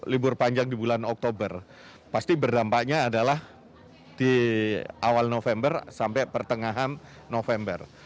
libur panjang di bulan oktober pasti berdampaknya adalah di awal november sampai pertengahan november